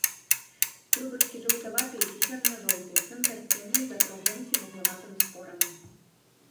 Трубачкі жаўтаватыя ці серна-жоўтыя, танкасценныя, з акруглымі ці вуглаватымі спорамі.